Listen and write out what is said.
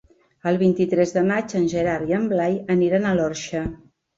El vint-i-tres de maig en Gerard i en Blai aniran a l'Orxa.